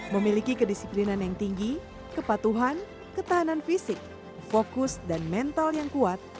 memiliki kedisiplinan yang tinggi kepatuhan ketahanan fisik fokus dan mental yang kuat